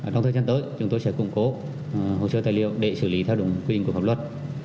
trong thời gian tới chúng tôi sẽ củng cố hồ sơ tài liệu để xử lý theo đúng quy định của pháp luật